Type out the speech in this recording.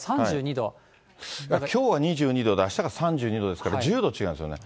きょうは２２度で、あしたが３２度ですから、１０度違うんですよね。